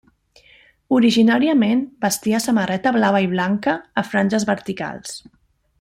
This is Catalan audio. Originàriament vestia samarreta blava i blanca a franges verticals.